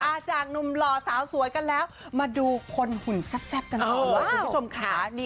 จากหนุ่มหล่อสาวสวยกันแล้วมาดูคนหุ่นแซ่บกันต่อเลยคุณผู้ชมค่ะ